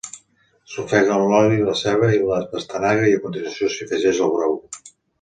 S'ofega en oli la ceba i la pastanaga i a continuació s'hi afegeix el brou.